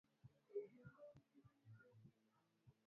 wa elfu tano au otters kubwa sana kushoto